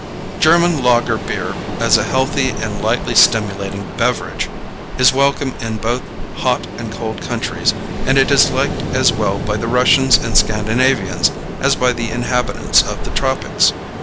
German lager beer, as a healthy and lightly stimulating beverage, is welcome in both hot and cold countries. It is liked as well by the Russians and Scandinavians as by the inhabitants of the tropics.